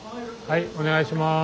はいお願いします。